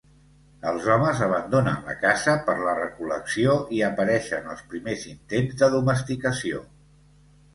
Els homes abandonen la caça per la recol·lecció i apareixen els primers intents de domesticació.